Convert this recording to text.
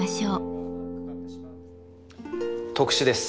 特殊です。